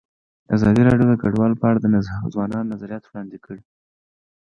ازادي راډیو د کډوال په اړه د ځوانانو نظریات وړاندې کړي.